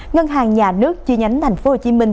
ngân hàng nhà nước chi nhánh thành phố hồ chí minh